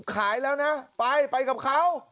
ขายแล้วนะไปไปกับเขา